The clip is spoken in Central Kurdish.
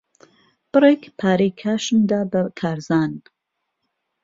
بڕێک پارەی کاشم دا بە کارزان.